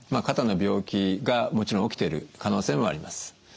肩の病気がもちろん起きている可能性もあります。